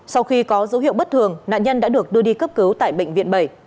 sau khi có dấu hiệu bất thường nạn nhân đã được đưa đi cấp cứu tại bệnh viện bảy